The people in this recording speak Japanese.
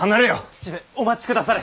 父上お待ちくだされ。